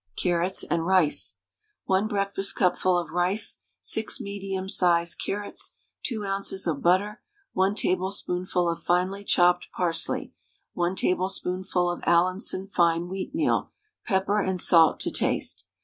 CARROTS AND RICE. 1 breakfastcupful of rice, 6 medium sized carrots, 2 oz. of butter, 1 tablespoonful of finely chopped Parsley, 1 tablespoonful of Allinson fine wheatmeal, pepper and salt to taste.